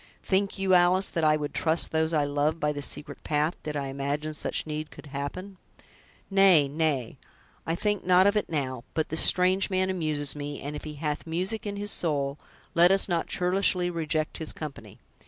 "Think you, Alice, that I would trust those I love by this secret path, did I imagine such need could happen?" "Nay, nay, I think not of it now; but this strange man amuses me; and if he 'hath music in his soul', let us not churlishly reject his company."